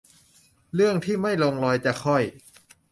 เรื่องที่ไม่ลงรอยจะค่อย